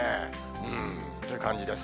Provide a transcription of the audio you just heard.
うーん、という感じです。